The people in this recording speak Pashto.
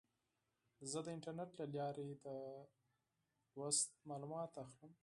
زه د انټرنیټ له لارې د درس معلومات اخلم.